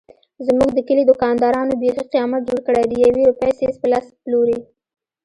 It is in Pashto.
زموږ د کلي دوکاندارانو بیخي قیامت جوړ کړی دیوې روپۍ څيز په لس پلوري.